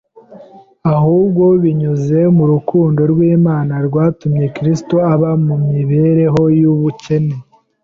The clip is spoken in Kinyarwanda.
ahubwo binyuze mu rukundo rw’Imana rwatumye Kristo aba mu mibereho y’ubukene